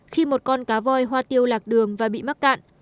khi một con cá voi hoa tiêu lạc đường và bị mắc cạn